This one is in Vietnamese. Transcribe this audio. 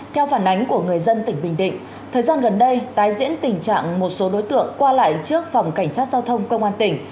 theo phản ánh của người dân tỉnh bình định thời gian gần đây tái diễn tình trạng một số đối tượng qua lại trước phòng cảnh sát giao thông công an tỉnh